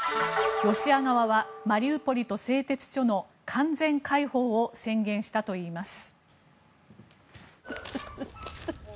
ロシア側はマリウポリと製鉄所の完全解放を宣言したといいます。